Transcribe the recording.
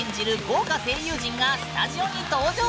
豪華声優陣がスタジオに登場！